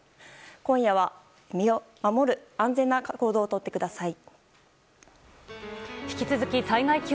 今夜は身の安全を守る行動をとってください。